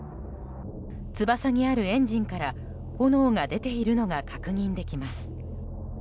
翼にあるエンジンから炎が出ているのが確認できます。